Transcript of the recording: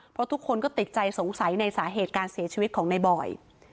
เพราะทุกคนก็ติดใจสงสัยในสาเหตุการเสียชีวิตของในบอย